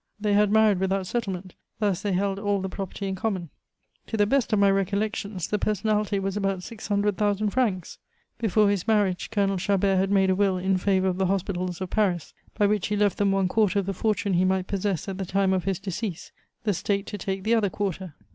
They had married without settlement; thus, they held all the property in common. To the best of my recollections, the personalty was about six hundred thousand francs. Before his marriage, Colonel Chabert had made a will in favor of the hospitals of Paris, by which he left them one quarter of the fortune he might possess at the time of his decease, the State to take the other quarter.